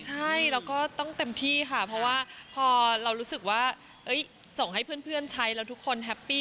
ใช่เราก็ต้องเต็มที่ค่ะเพราะว่าพอเรารู้สึกว่าส่งให้เพื่อนใช้แล้วทุกคนแฮปปี้